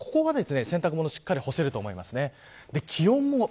金曜日は洗濯物しっかり干せると思います。